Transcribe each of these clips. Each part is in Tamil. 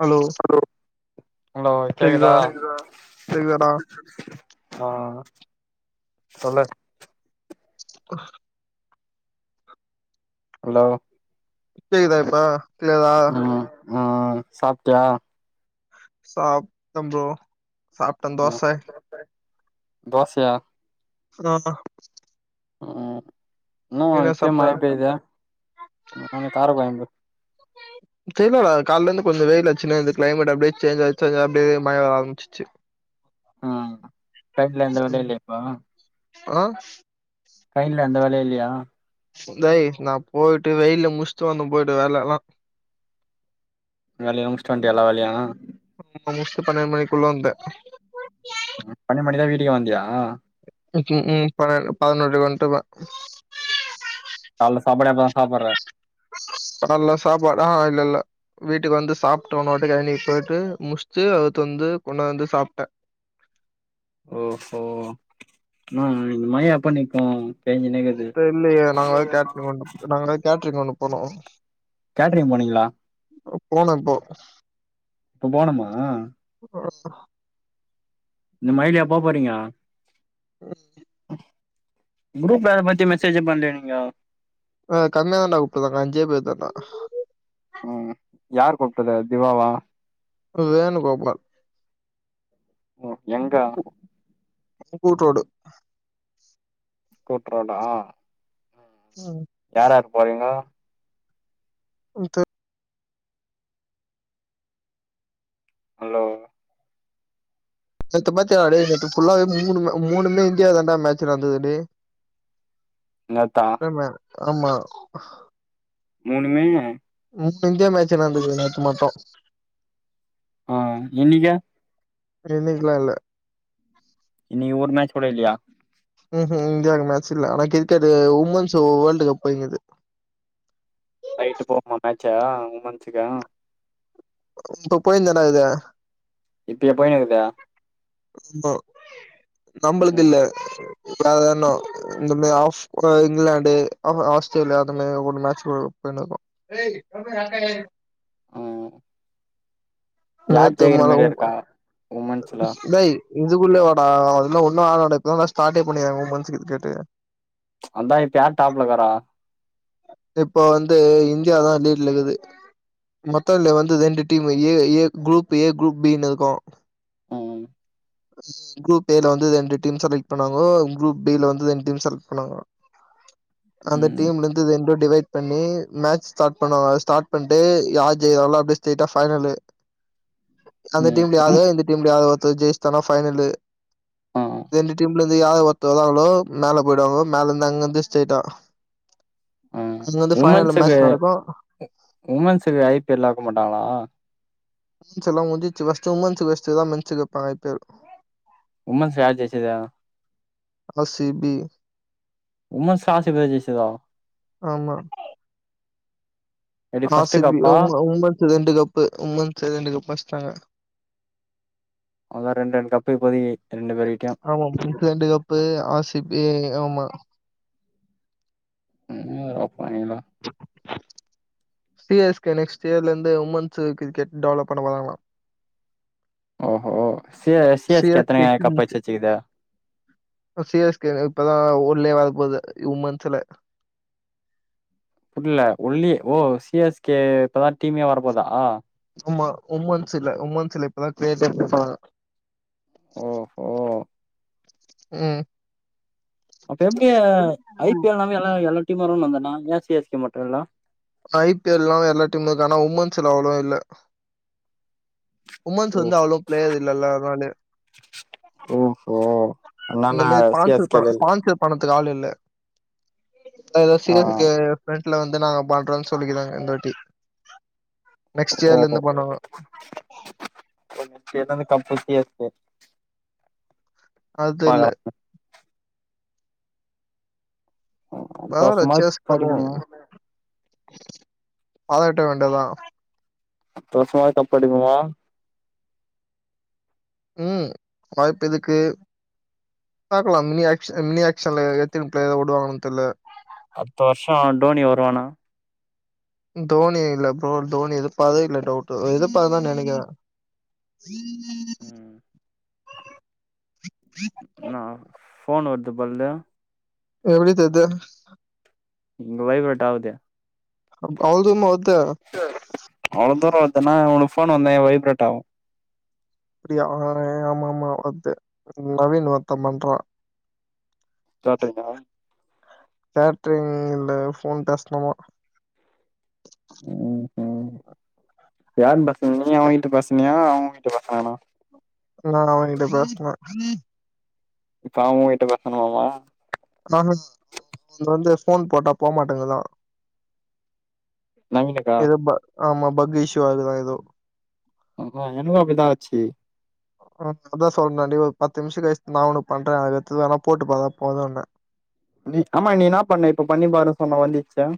ஹலோ ஹலோ கேக்குதா கேக்குதாடா ஆ தோழர் கா ஹலோ கேக்குதா இப்ப [inaudible] ஆ ஆ சாப்டியா சாப் ட ப்ரோ சாப்ட தோச ம் தோசையா ஆ ஆ என்ன மா இப்யே மழ பெய்து நாளைக் கார கொயம்பு தெரிலடா கால்லருந்து கொஞ்சோ வெயில் அச்சுனே இருந்து கிளைமேட் அப்டே சேஞ்ஜாயி சேஞ்ஜாயி அப்டே மழ வர ஆரம்பிச்சிச்சி ம் சைட்ல எந்த வேலயு ம். இல்லையா பா ஆ கைல எந்த வேலயு இல்லியா டேய் நா போய்ட்டு வெயில்ல முஷ்ட்டு வந்த போய்ட்டு வேல வா வேல்யு முச்சுட்டு வன்டியா எல்லா வேலயு முடிச்சிட்டு பன்னெண்டு மணிக்குள்ள வந்த பன்னெண்டு மணி தா வீட்டுக்கே வந்யா ம் ப பதினொன்ற ஒன்ற வா கால்ல சாப்பாடே அதா சாப்பட்ற நல்லா சாப்பாடு ஆ இல்ல இல்ல வீட்டுக்கு வந்து சாப்டோ உன்னோட்டு கழணிக் போய்ட்டு முஷ்ட்டு அகத் வந்து கொண்ணாந்து சாப்ட ஓஹோ நா இந்த மய எப்போ நிக்கும் இப்ப இல்லயே நாங்ளாது கேட்ரிங் ஒன்னுப் நாங்ளாது கேட்ரிங் ஒன்னுப் போனோ கேட்ரிங் போனீங்களா அ போன இப்போ இப்ப போனுமா வர சொல் இந்த மய்லியா போ போறீங்கா உஹம் குரூப்ல இத பத்தி மெசேஜே பண்லே நீங்கா ஆ கம்மியா தாண்டா கூப்டுதாங்க அஞ்சே பேரு தான்டா ம் யார் கூப்டது அ திவாவா வேணுகோபால் ஒ எங்க கூட்ரோடு கூட்ரோடா யார் யார் போறீங்கோ [unintelligible] ஹலோ நேத்து பாத்தியா டா டேய் நேத்து ஃபுல்லாவே மூணு மூணுமே இந்தியாவ தண்டா மேட்சு நடந்தது டேய் என்ன தா ஆமா ஆமா மூணுமே மூணு இந்தியா மேட்ச என்ன நடந்துது நேத்து மட்டு ஆ இன்னிகா இருந்திக்கலு இல்ல இனி ஊர் மேட்ச் கூட இல்லையா ம் ஹும் இந்தியாவுக்கு மேட்ச் இல்ல ஆனா கிரிக்கெட் உமன்ஸ் வேர்ல்டு கப் போயிருங்கது நைட்டு போமா மேட்சா உமன்ஸுகா இப்ப போய்ந்தனா இத இப்ப போயனுக்குதா ஆமா நம்மளுக்கு ம் இல்ல இப்பசதர்னோ இந்த மாரி ஆஃப் இங்கிலாந்து ஆஸ்திரேலியா அந்த மாதி ஒரு மேட்சு [unintelligible] அவ் நேத்த மல உ உமன்ஸ்ல பல சிலை இதுக்குள்ளே வடா அதெல்லா ஒன்னு ஆகாட இப்ப தா ஷாட்டே பண்ணிருக்காங்க உமன்ஸ் க்ரிக்கெட்டு அந்தா இப்ப யார் டாப்லக்காரா இப்போ வந்து இந்தியா தா லீட் இருக்குது மொத்த இதுல வந்து ரெண்டு team A A group A group பினு இருக்கு ம் குரூப் ஏ ல வந்து ரெண்டு டீம் செலக்ட் பண்ணாங்கோ குரூப் பீல வந்து ரெண்டு டீம் செலக்ட் பண்ணாங்கோ அந்த ம் டீம்ல இருந்துது ரண்டு டிவை பண்ணி மேட்ச் ஸ்டார்ட் பண்ணுவாங்க ஸ்டார்ட் பண்ணிட்டு யார் ஜெய்றாங்ளோ அப்டியே ஸ்ட்ரைட்டா ஃபைனலு அந்த ம் ம் உம், டீம்லயாவது இந்த டீம்லயாவ அது ஜெஷ் தன ஃபைனலு ஆ ஏழு டீம் உள்ளவந் யாராவது ஒருத்தர்தாரனு மேல போயிடுவாங்கோ மேல இருந்து அங்க இருந்து ஸ்ட்டைட்டா ஆ இங்க வந்து ஃபைனல் உமன்ஸுக்கு மேச் நடக்கு உமன்ஸுக்கு ஐ பி எல் ஆக்க மாட்டாங்களா [unintelligible] லா முடிச்சுப் ஃபஸ்ட் டூ மன்த் சதா மச்சுேப்பாங்க பெரு உமன்ஸ் யார் ஜெய்சகரா அ சி பி உமன்ஸ்ல ஆர் சி பி தா ஜெய்ச்சிர்காங்க ஆ சி ப உ உமன் சது ரெண்டு கப்பு உமன்ஸ் ரெண்டு கப்பு அடிச்சுட்டாங்க அதா ரெண்டு ரெண்டு கப்பு இப்போதைக்கு ரெண்டு பேர்கிட்டயு ஆமா மிச்ச ரண்டு கப்பு ஆ சி பி ஆமா உம்ப்பைங்களா சி எஸ் கே நெக்ஸ்ட் இயர்ல இருந்து உமன்ஸ் கிரிக்கெட் டெவலப் பண்ண போராங்களா ஓஹோ சி சி எஸ் கே எத்தனை கப்பு அச்சிவச்சுக்குது அப்ரோ சீ ய ஸ்கே இப்பதா உள்ளே வரபோது உமன்ஸ்ல புரில உள்ளியே ஓ சி எஸ் கே இப்பதா டீமே வரபோதா உம்மா உமன் சில உமன் சில இப்பதா ப்ளேஸே குடுத்தாங்க ஓஹோ ம் அப்ப எப்டி ஐ பி எல்எல்லாம் எல்லா டீமுவரும்ந்தனே ஆ ஏ சி ய ஸ்க்கே மட்டுல்லனா ஐ பி எல் எல்லா எல்லா டீமுதனே உமன்ஸ்ல அவ்ளவு இல்ல உமன்ஸ் ஓ வந்து அவ்வளவு பிளேயர் இல்லல்ல அதனால ஓஹோ இந்த மாதிரி அதனால சி எஸ் கே ல ஸ்பான்சர் இல்ல ஸ்பான்சர் பணத்த ஆல் இல்ல சோ அதா சீ ஆ ய ஸ்க்கே ஃப்ரண்ட் வீட்ல வந்து நாங்க பண்றோம்ன்னு சொல்லிக்கிறாங்க இந்தாட்டி நெக்ஸ்ட் ஓ இயர்ல இருந்து பண்ணனு [inaudible] கம்பத்தி சி எஸ் கே அதுல பாக்கலா அடுத்த பரவால வருஷமாது சேஸ் கப் பண்ணுவோ அடிக்குமா பாதாட்ட வேண்டாதா அத்தர்வர்ஷசமா கப்படிப்போமா ம் வாய்ப்பு இருக்கு பாக்கலா மினி ஆ மினி ஆக்ஷன்ல எத்தன ப்ளேயருடுவாங்கன்னு தெர்ல அடத்து வர்ஷோ டோனி வருவானா தோனி இல்ல ப்ரோ தோனி எத பார இல்ல டவுட் எத பார்த்ததா நினைக்குர ம் ஆ ஃபோன் வருது பாருங்க எப்டி தெர்து இங்க வைப்ரட் ஆவுதே [unintelligible] அவ்ள் தூர வந்தனா [unintelligible] ஃபோன் வந்த வைப்ரட்ட ஆவும் அப்டியா ஆ ஆமமா வத்து நவீன் ஒருத்த பண்றா [unintelligible] கேட்ரிங்ல்ல ஃபோன் கஸ்ட்மர் ம் ம் யாரு பேச நீ அவன் கிட்ட பேசனியா அவன் கிட்ட பேசினானா ஆமா நா அவகிட்ட பேசன இப்ப அவ உங்கிட்ட பேசனுமா நாங்க வந்து ஃபோன் போட்டா போமாட்டேங்கதா நவினுக்கா ப ஆமா பக் இஷயூ அது ஏதோ ஆ எனக்கும் அப்டி தா ஆச்சி ஆ அதா சொன்ன ஒரு பத்து நிமிஷம் களிச்சி நா ஓனக்கு பண்றே அடுத்து வேணா போட்டுப்பாத்தா போதும்ன்னு நீ ஆமா நீ என்னா பண்ணு இப்ப பண்ணி பாரு சொன்ன வந்துச்ச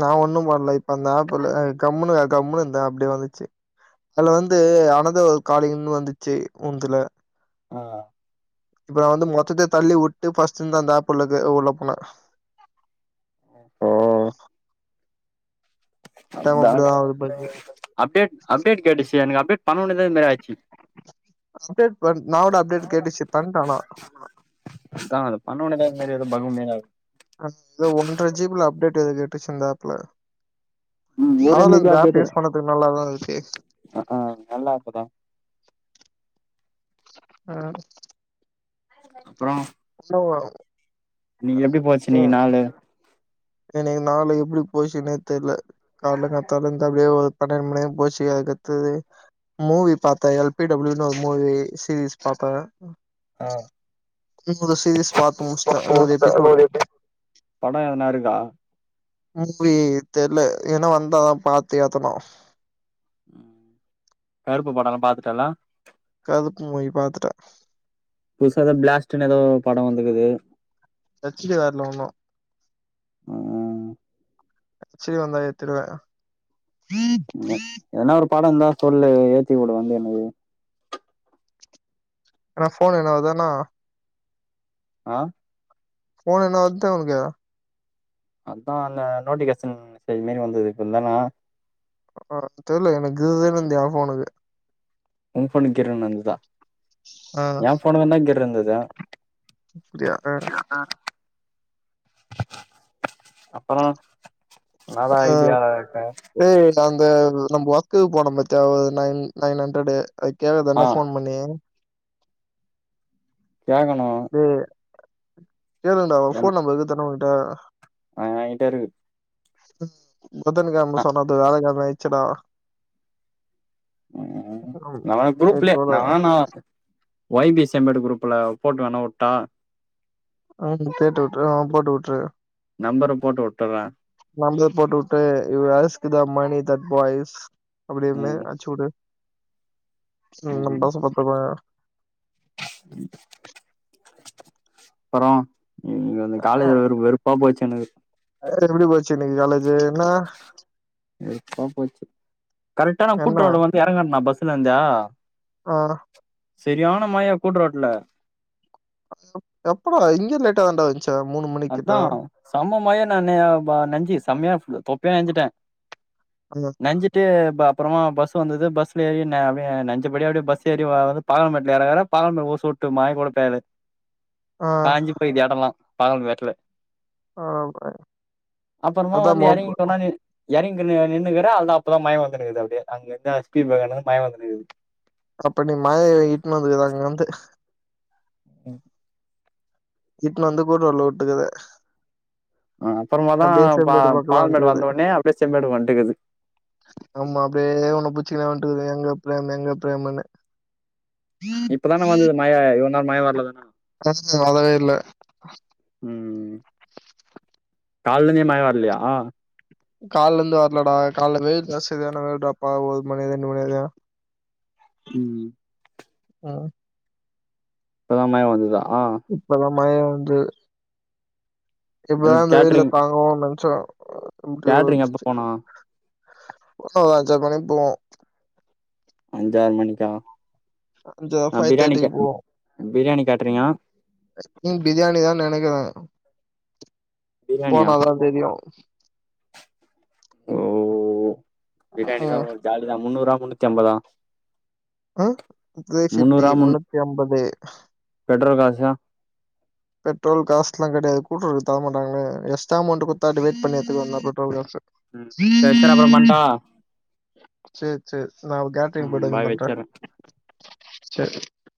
நா ஒண்ணும் பண்ல இப்ப அந்த ஆப்ல கம்முனு கம்முனு இருந்தே அப்டியே வந்துச்சு அதுல வந்து அனதர் ஒன் காலிங் ஒண்ணு வந்துச்சு உந்துல ஆ இப்ப நா வந்து மொத்தத தள்ளி வுட்டு ஃபஸ்ட் இந்த அந்த ஆப் உள்ள போனே ஓ டைம் அப்டிதா அதன ஆகுது பக்கு அப்டேட அப்டேட் கேட்டுச்சு எனக்கு அப்டேட் பண்ணுவே ண தான அப்டேட் வந் நா கூட அப்டேட் கேட்டுச்சு பண்ட்ட ஆனா அதா அது பண்ணோனதே [unintelligible] ஆ ஏதோ ஒன்றரை ஜிபில அப்டேட் எது கேட்டுச்ச இந்த ஆப்ல ம் பரவால்ல இந்த ஆப் ஓரந்தக்கு யூஸ் பண்ணதுக்கு நல்லாதா இருக்கு அ ஆ நல்லா ஆப் தா அ [unintelligible] இன்னிக்கு எப்டி போச்சு இன்னிக்கு நாளு இன்னிக்கு நாளு எப்டி போச்சுன்னே தெர்ல கால காத்தால இருந்து அப்டியே ஒரு பன்னிரெண்டு மணிநேரம் போச்சு அதுக்கு அடுத்தது மூவி பாத்தே எல்பிடபிள்யூன்னு ஒரு மூவி சீரிஸ் பாத்தே ஆ [inaudible] சீரிஸ் பார்த்து முடிச்டே படோ நூறு எபிசோடு கா மூவி தெரியல ஏதுனா வந்தா பாத்து ஏத்தனும் உம் கருப்பு படம் எல்லாம் பாத்துட்டல கருப்பு மூவி பார்த்துட்டேன் புதுசாக பிளாஸ்டன்னு ஏதோ படம் வந்துக்குது சச்சிக்க வேரல ஒன்னும் உம் செரி வந்தா ஏத்திருவேன் [unintelligible] படம் தான் சொல்லு ஏத்தி விடு வந்து எனக்கு ஆனா போன் என்னவுதுதானா ஆஹ் போன் என்ன வதுட்டே உனக்கு ஏதா அதான் அந்த நோட்டிபிகேஷன் மாதிரி வந்தது இப்ப இருந்தானாம் ஆஹ் தெரியல எனக்கு இதுதன்னு இருந்தா போனுக்கு உன் போன் கிர்ன்னு வந்து தா ஆ என்ன போன் தான்டா கிர்ன்னுகிது அப்படியா? ஆ. அப்புறம் அஹ் ஏய் நான்ந்த நம்ம ஒக்குக்கு போனம பார்த்தியா நைன் நைன் ஹண்ட்ரடு் அதுக்கேகது ஆ அண்ணா ஃபோன் பண்ணி கேக்கணும் [inaudible] ஏழுண்டா போன் நம்பருக்கு தர ஆஹ ஆஹ் ஆயிட்ட இருக்கு உம் புதன் கிழம ஆ சொன்னது வியாழகிழம ஆயிச்சுட உம் நன குரூப்லைய நமன ந ஒய்பி செம்பேடு குரூப்ல போட்டு வேணா விட்டா உஹம் தேட்டு விட்டுரு ஆ போட்டு விட்டுருன் நம்பர போட்டு வுட்டுறே நமள போட்டு விட்டுரு இ இத மணி தட் பாய்ஸ் அப்படியினு ம் அடுச்சூடு உம்ந்தச பத்த போ உம் அப்பறோ இங்க வந்து காலேஜ்ல வெறு வெறுப்பா போச்சு எனக்கு தர் எப்டிபோச்சு இன்னக்கி காலே ஜு என்னா வெறுப்பா போச்சு கரெக்டா நா என்ன கூட்றவ்ல வந்து எறங்குறண்ணா பஸ் ஸுலந்தா ஆ செரியான மழ கூட்டுரோட்ல எப்படா இங்கயே லேட்டா தான்டா வன்ச்சு அதா சம்ம மழ நனயா ப நஞ்சு செம்மயா தொப்பயா நஞ்சுட்டே ஆ நஞ்சுட்டு ப அப்புறமா பஸ் வந்தது பஸ்ல ஏறி ந அப்டியே நஞ்சபடிய அப்டியே பஸ் ஏறி வ வந்து பாலமேட்ல எறங்குரே பாலமேட்ல ஒரு சொட்டு மய கூட பேயல ஆ காஞ்சி போயிது எடொல்லா பாலமேட்ல ஆமாணே அதா மப் எறங்கினு நின்னுக்குறே அவ்ள்தா அப்பதா மய வந்துனுக்கிது அப்டியே அங்கந்து ஸ்டீபகனு மய வந்துனுக்குது அப்ப நீ மய [unintelligible] இட்னு வந்துகுற அங்கந்து ம் இட்னு வந்து கூட்ரோட்ல வுட்டுக்குற ஆ அப்பறமாதா பா பக்கமா பால்மேடு வந்துக்குது வந்த ஒட்னே அப்டியே செம்மேடு வன்ட்டுக்குது டு எங்க பிரேம் எங்க பிரேமுன்னு இப்பதான வந்தது மய இவன் னாள் மய வர்லதானா ம்ஹும் வரவேல்ல ம் கால்லந்தே மழ வர்லயா கால்லந்து வர்லடா கால்ல வெயில் ஜாஸ்திதான வேட்றாப்பா ஒரு மணி ரெண்டு மணி வரயு ம் ஆ இப்பதா மய வந்துதா ஆ மய வந்து எப்பதா எனக்கு இந்த வெயில்ல கேட்ரிங் தாங்குவோன் நென்ச்சோ கேட்ரிங் எப்ப போனா போனா ஒரு அஞ்சாறு மணி போவோ அஞ்சாறு மணிக்கா அஞ்சு ஆ ஃபைவ் பிரியாணி தேர்ட்டிக்கு போவோ [unintelligible] பிரியாணி கேட்ரிங்கா ம் பிரியாணிதா நெனக்கிறே பிரியாணியா போன தா தெரியு ஓ பிரியாணினா ம் ‌ஒங்களுக் ஜாலிதா முன்னூறா முன்னூத்தம்பதா ஆ த்ரீ ஃபிஃப்டி முன்னூத்தி அம்பது பெட்ரோல் காசல்லா பெட்ரோல் காசுல்லா கெடையாது கூட்ரோட்டுக்கு தர மாட்டாங்களே எக்ஸ்ட்ரா அமௌண்ட்டு குத்தா டிவைட் பண்ணி எத்துக்க வேண்தா பெட்ரோல் காசு ம் சரி சரி அப்புறோ பண்ட்டா சேர் சேர் நா கேட்ரிங் ம் போயிட்டு வந்து பாய் பண்றே வச்சர்றே சேரி